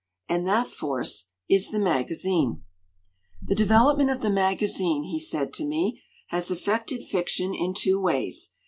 And that force is the magazine. "The development of the magazine,'* he said to me, "has affected fiction in two ways.